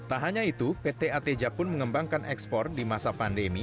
tak hanya itu pt ateja pun mengembangkan ekspor di masa pandemi